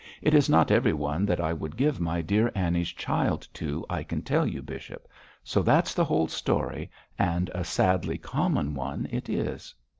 'It is not everyone that I would give my dear Annie's child to, I can tell you, bishop. So that's the whole story, and a sadly common one it is.'